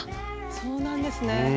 そうなんですね。